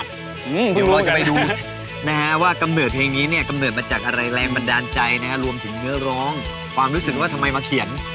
เดี๋ยวเราจะไปดูนะฮะว่ากำเนิดเพลงนี้เนี่ยกำเนิดมาจากอะไรแรงบันดาลใจนะฮะรวมถึงเนื้อร้องความรู้สึกว่าทำไมมาเขียน